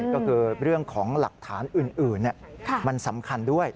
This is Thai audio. ก็คือเรื่องของหลักฐานอื่นมันสำคัญด้วย